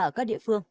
ở các địa phương